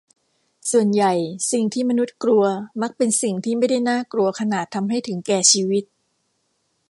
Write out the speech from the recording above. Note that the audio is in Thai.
ส่วนใหญ่สิ่งที่มนุษย์กลัวมักเป็นสิ่งที่ไม่ได้น่ากลัวขนาดทำให้ถึงแก่ชีวิต